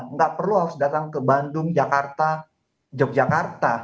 nggak perlu harus datang ke bandung jakarta yogyakarta